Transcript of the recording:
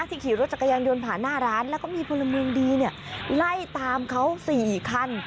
ขี่รถจักรยานยนต์ผ่านหน้าร้านแล้วก็มีพลเมืองดีเนี่ยไล่ตามเขา๔คัน